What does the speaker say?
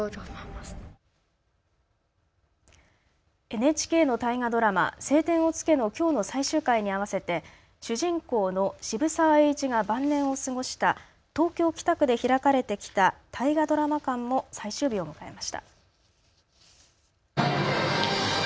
ＮＨＫの大河ドラマ、青天を衝けのきょうの最終回に合わせて主人公の渋沢栄一が晩年を過ごした東京北区で開かれてきた大河ドラマ館も最終日を迎えました。